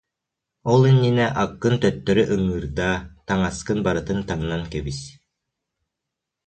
Ол иннинэ аккын төттөрү ыҥыырдаа, таҥаскын барытын таҥнан кэбис